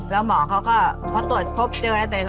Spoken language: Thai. แล้วหมอก็เข้าห้องผ่าตัดเลย